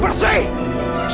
biasalah kau king es